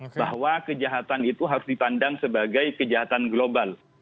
yang kedua bahwa kejahatan itu harus ditandang sebagai kejahatan global